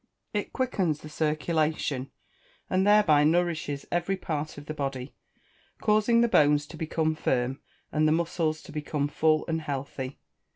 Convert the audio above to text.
It quickens the circulation, and thereby nourishes every part of the body, causing the bones to become firm, and the muscles to become full and healthy.